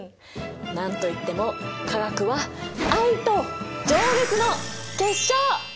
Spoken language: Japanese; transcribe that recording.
何といっても化学は愛と情熱の結晶！